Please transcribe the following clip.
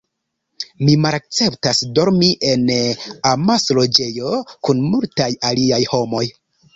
Mi malakceptas dormi en amasloĝejo kun multaj aliaj homoj.